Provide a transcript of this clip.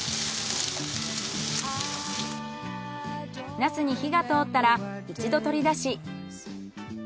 ナスに火が通ったら一度取り出し。